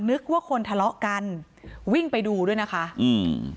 นึกว่าคนทะเลาะกันวิ่งไปดูด้วยนะคะอืม